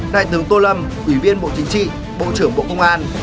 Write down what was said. đại tướng tô lâm ủy viên bộ chính trị bộ trưởng bộ công an